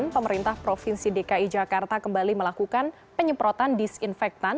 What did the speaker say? pemerintah provinsi dki jakarta kembali melakukan penyemprotan disinfektan